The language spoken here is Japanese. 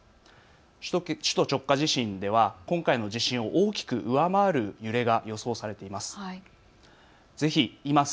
首都直下地震では今回の地震を大きく上回る揺れが予想されています。